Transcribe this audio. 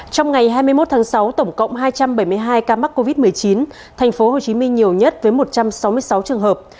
trong ngày hai mươi một tháng sáu tổng cộng hai trăm bảy mươi hai ca mắc covid một mươi chín tp hcm nhiều nhất với một trăm sáu mươi sáu trường hợp